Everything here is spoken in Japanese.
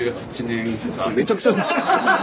めちゃくちゃ長い。